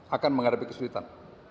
akan menghadapi kesulitan